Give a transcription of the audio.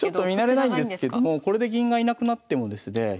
見慣れないんですけどもこれで銀が居なくなってもですね